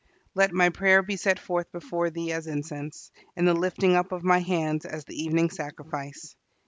"LET MY PRAYER BE SET FORTH BEFORE THEE AS INCENSE: AND THE LIFTING UP OF MY HANDS AS THE EVENING SACRIFICE."